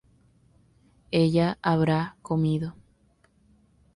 ella habrá comido